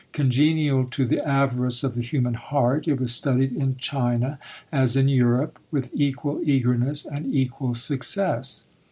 Congenial to the avarice of the human heart, it was studied in China, as in Europe, with equal eagerness and equal success.